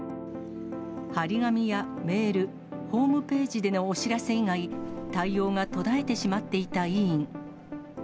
貼り紙やメール、ホームページでのお知らせ以外、対応が途絶えてしまっていた医院。